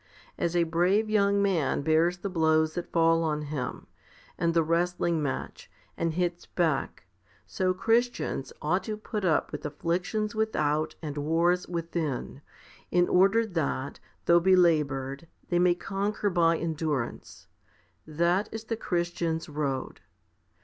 As a brave young man bears the blows that fall on him, and the wrestling match, and hits back, so Christians ought to put up with afflictions without and wars within, in order that, though belaboured, they may conquer by endurance. That is the Christian's road.